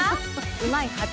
「うまいッ！」